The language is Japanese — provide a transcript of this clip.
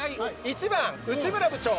１番、内村部長。